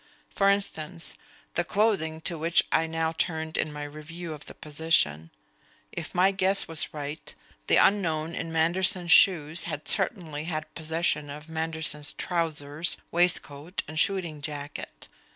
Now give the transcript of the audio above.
For instance, the clothing, to which I now turned in my review of the position: if my guess was right, the unknown in Manderson's shoes had certainly had possession of Manderson's trousers, waistcoat and shooting jacket.